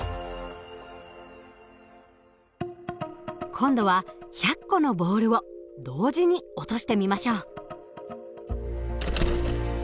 今度は１００個のボールを同時に落としてみましょう。